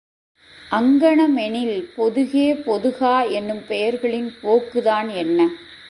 அங்ஙனமெனில், பொதுகே, பொதுகா என்னும் பெயர்களின் போக்குதான் என்ன?